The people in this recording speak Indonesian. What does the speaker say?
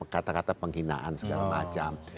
kata kata penghinaan segala macam